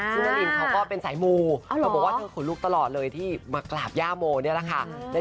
ซึ่งนารินเขาก็เป็นสายมูเขาบอกว่าเธอขนลุกตลอดเลยที่มากราบย่าโมนี่แหละค่ะ